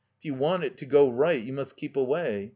If you want it to go right you must keep away.